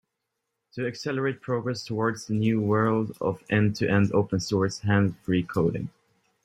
To accelerate progress towards this new world of end-to-end open source hands-free coding.